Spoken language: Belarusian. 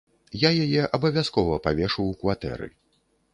Я яе абавязкова павешу ў кватэры.